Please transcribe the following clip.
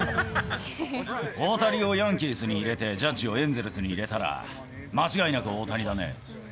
大谷をヤンキースに入れて、ジャッジをエンゼルスに入れたら、間違いなく大谷だね。